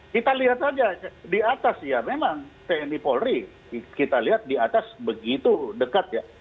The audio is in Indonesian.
kita lihat saja di atas ya memang tni polri kita lihat di atas begitu dekat ya